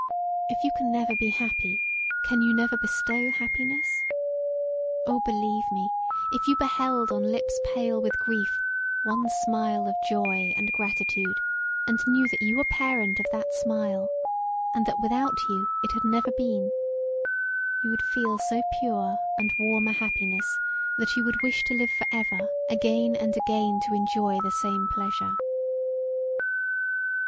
If you can never be happy, can you never bestow happiness[?] Oh! believe me, if you beheld on lips pale with grief one smile of joy and gratitude, and knew that you were parent of that smile, and that without you it had never been, you would feel so pure and warm a happiness that you would wish to live for ever again and again to enjoy the same pleasure[.